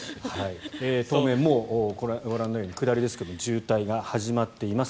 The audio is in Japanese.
東名、ご覧のように下りですが渋滞が始まっています。